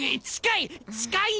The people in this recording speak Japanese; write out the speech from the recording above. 近い！